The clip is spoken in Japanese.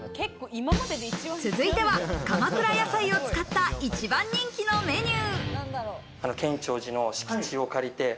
続いては鎌倉野菜を使った一番人気のメニュー。